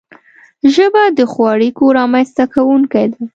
ژبه د ښو اړیکو رامنځته کونکی ده